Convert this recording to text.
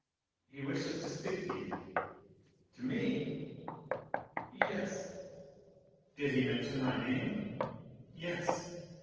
"He wishes to speak to you." "To me?" "Yes." "Did he mention my name?" "Yes."